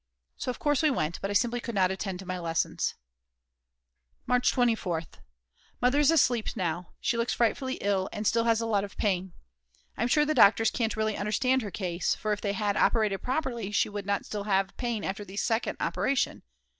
So of course we went, but I simply could not attend to my lessons. March 24th. Mother is asleep now. She looks frightfully ill and still has a lot of pain. I'm sure the doctors can't really understand her case; for if they had operated properly she would not still have pain after the second operation.